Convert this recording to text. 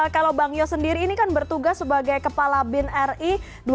kalau bang yos sendiri ini kan bertugas sebagai kepala bin ri